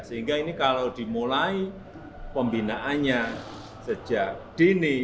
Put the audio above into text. sehingga ini kalau dimulai pembinaannya sejak dini